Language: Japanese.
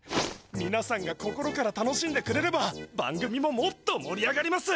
みなさんが心から楽しんでくれれば番組ももっともりあがります！